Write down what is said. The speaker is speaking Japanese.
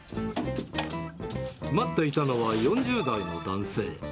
待っていたのは４０代の男性。